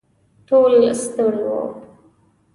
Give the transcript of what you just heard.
ټول ستړي وو.